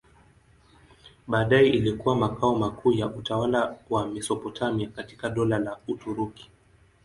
Baadaye ilikuwa makao makuu ya utawala wa Mesopotamia katika Dola la Uturuki.